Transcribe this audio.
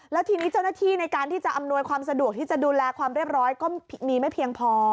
แล้วทีนี้เจ้าหน้าที่ในการที่จะอำนวยความสะดวกที่จะดูแลความเรียบร้อยก็มีไม่เพียงพอ